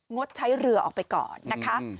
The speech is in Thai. งดใช้เรือออกไปก่อนนะคะ